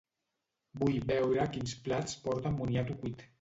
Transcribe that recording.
Vull veure quins plats porten moniato cuit.